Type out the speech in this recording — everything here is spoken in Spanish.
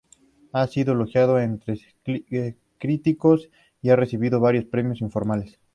Ha sido elogiado entre críticos y ha recibido varios premios informales.